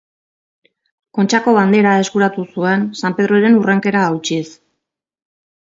Kontxako Bandera eskuratu zuen, San Pedroren hurrenkera hautsiz.